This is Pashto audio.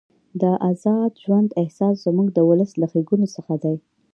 د ازاد ژوند احساس زموږ د ولس له ښېګڼو څخه دی.